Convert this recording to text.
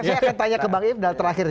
saya akan tanya ke bang ifdal terakhir